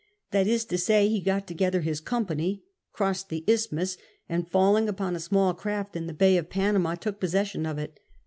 That is to say, he got together his company, crossed the isthmus, and falling upon a small craft in the Bay of Panama took possession of it.